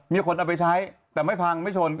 มีคนเอาไปใช้แต่ไม่พังไม่ชน